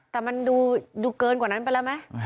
แต่มันดูเกินกว่านั้นไปแล้วไหม